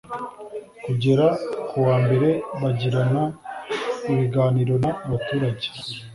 kugera ku wa mbere bagirana ibiganiro n abaturage